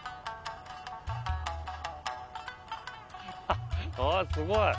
あっすごい。